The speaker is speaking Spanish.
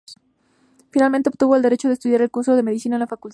Finalmente obtuvo el derecho de estudiar el curso de medicina en la facultad.